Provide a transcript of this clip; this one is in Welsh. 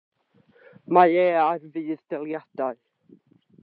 Mae e ar fudd-daliadau.